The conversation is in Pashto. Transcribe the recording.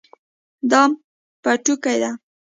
دا پټوکۍ ده